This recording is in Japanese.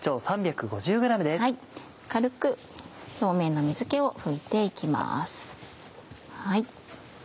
軽く表面の水気を拭いて行きます。